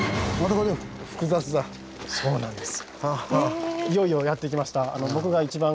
このそうなんです。